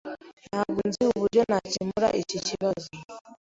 Ntabwo nzi uburyo nakemura iki kibazo.